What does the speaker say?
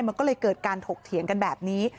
มันก็เลยเกิดการถกเถียงกันแบบนี้